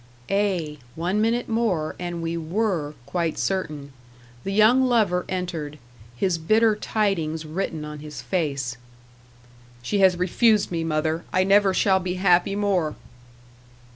Ay! one minute more, and we WERE quite certain. The young lover entered his bitter tidings written on his face. "She has refused me, mother. I never shall be happy more."